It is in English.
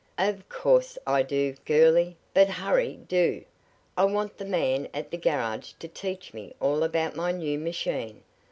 "Of course I do, girly; but hurry do! I want the man at the garage to teach me all about my new machine.